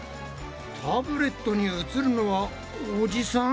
タブレットに映るのはおじさん？